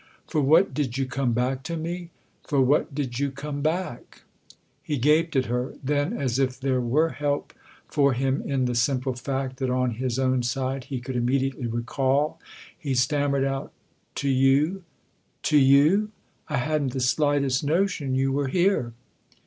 " For what did you come back to me ? for what did you come back ?" He gaped at her ; then as if there were help for him in the simple fact that on his own side he could immediately recall, he stammered out :" To you THE OTHER HOUSE 271 to you ? I hadn't the slightest notion you were here